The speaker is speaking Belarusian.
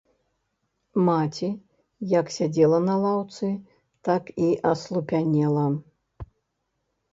Маці, як сядзела на лаўцы, так і аслупянела.